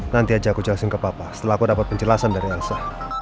nanti aja aku jelasin ke papa setelah aku dapat penjelasan dari lansa